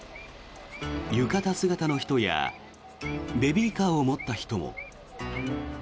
浴衣姿の人やベビーカーを持った人も。